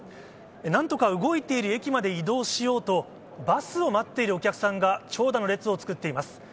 なんとか動いている駅まで移動しようと、バスを待っているお客さんが、長蛇の列を作っています。